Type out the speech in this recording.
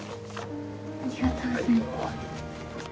ありがとうございます。